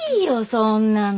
そんなの。